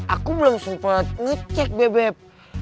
aku belum sempat ngecek bebek